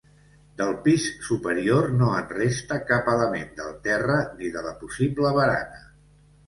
Del pis superior no en resta cap element del terra ni de la possible barana.